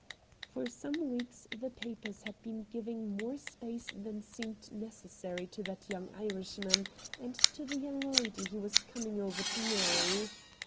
For some weeks the papers had been giving more space than seemed necessary to that young Irishman and to the young lady he was coming over to marry.